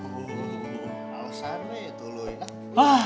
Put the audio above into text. kalau sana itu loh enak